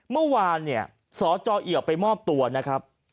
เมื่อวานสอจอเหี่ยวไปมอบตัวนะครับ